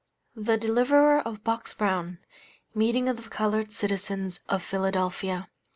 THE DELIVERER OF BOX BROWN MEETING OF THE COLORED CITIZENS OF PHILADELPHIA.